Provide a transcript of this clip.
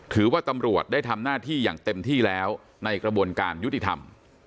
ถือว่าตำรวจได้ทำหน้าที่อย่างเต็มที่แล้วในกระบวนการยุติธรรม